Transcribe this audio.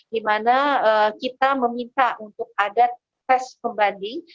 di mana kita meminta untuk ada tes pembanding